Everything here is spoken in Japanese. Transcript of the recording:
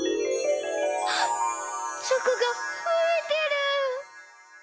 チョコがふえてる！